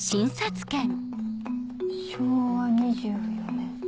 昭和２４年。